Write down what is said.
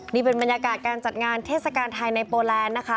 นี่เป็นบรรยากาศการจัดงานเทศกาลไทยในโปแลนด์นะคะ